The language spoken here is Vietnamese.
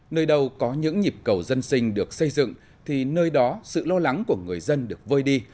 nơi đâu có những nhịp cầu dân sinh được xây dựng thì nơi đó sự lo lắng của người dân được vơi đi